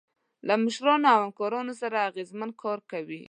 له مشرانو او همکارانو سره اغیزمن کار کوئ.